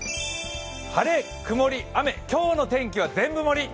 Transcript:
晴れ、くもり、雨、今日の天気は全部盛り。